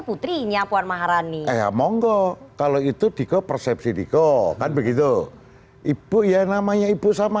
putrinya puan maharani ya monggo kalau itu diko persepsi diko kan begitu ibu ya namanya ibu sama